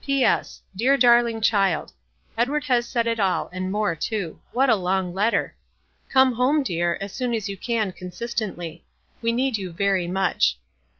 "P. S. Dear Darling Child :— Edward has said it all, and more too. What a long letter ! Come home, dear, as soon as you can consis tently. We need you very much.